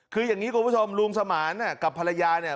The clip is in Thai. คืออย่างนี้คุณผู้ชมลุงสมานกับภรรยาเนี่ย